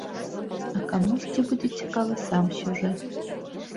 А камусьці будзе цікавы сам сюжэт.